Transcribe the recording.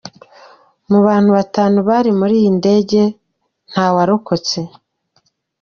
Mu bantu batanu bari muri iyi ndege ntawarokotse.”